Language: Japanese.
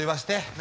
何？